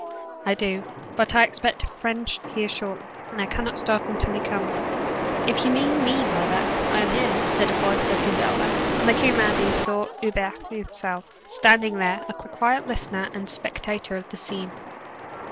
"I do; but I expect a friend here shortly, and cannot start until he comes." "If you mean me by that, I am here," said a voice at his elbow; and, looking round, he saw Hubert himself, standing there, a quiet listener and spectator of the scene.